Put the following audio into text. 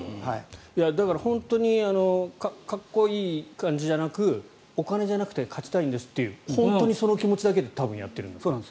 だから本当にかっこいい感じじゃなくお金じゃなくて勝ちたいんですっていう本当にその気持ちだけで多分やっていると。